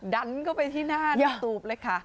ดันเข้าไปที่หน้าตูบเลยค่ะ